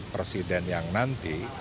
presiden yang nanti